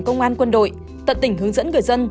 công an quân đội tận tỉnh hướng dẫn người dân